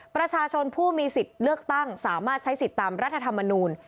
ประชาชนผู้มีสิทธิ์เลือกตั้งสามารถใช้สิทธิ์ตามรัฐธรรมนูล